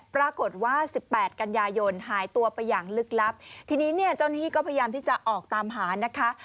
ปรากฏว่าสิบแปดกันยายนหายตัวไปอย่างลึกลับทีนี้เนี่ยเจ้าหน้าที่ก็พยายามที่จะออกตามหานะคะ